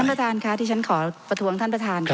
ประธานค่ะที่ฉันขอประท้วงท่านประธานค่ะ